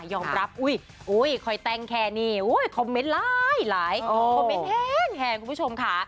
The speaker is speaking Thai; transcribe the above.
ยอมรับอุ้ยคอยแตงแคนี่คอมเมนต์ไลก์ไลก์คอมเมนต์แห้งคุณผู้ชมค่ะ